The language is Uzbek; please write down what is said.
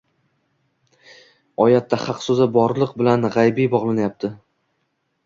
Oyatda «haq» so‘zi borliq bilan g‘aybiy bog‘lanyapti